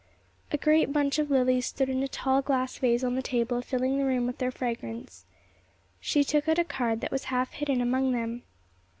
A great bunch of lilies stood in a tall glass vase on the table, filling the room with their fragrance. She took out a card that was half hidden among them.